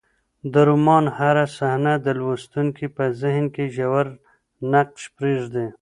د رومان هره صحنه د لوستونکي په ذهن کې ژور نقش پرېږدي.